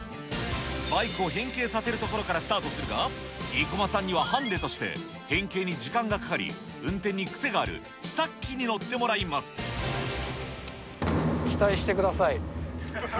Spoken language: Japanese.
バイクを変形させるところからスタートするが、生駒さんにはハンデとして、変形に時間がかかり、運転に癖がある、期待してください。